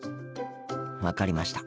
分かりました。